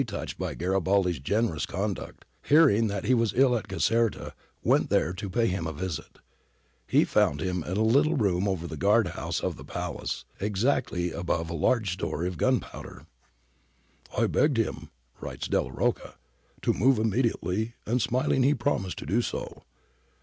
FALL OF CAPUA 275 touched by Garibaldi's generous conduct, hearing that he was ill at Caserta, went there to pay him a visit He found him in a little room over the guard house of the i^alace, exactly above a large store of gunpowder. ' I begged him/ writes Delia Rocca, ' to move immediately, and smiling he promised to do so.